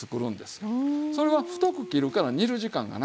それは太く切るから煮る時間が長い。